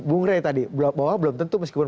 bung rey tadi bahwa belum tentu meskipun